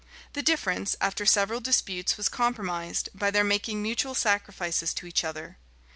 The difference., after several disputes, was compromised, by their making mutual sacrifices to each other.